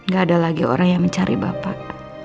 gak ada lagi orang yang mencari bapak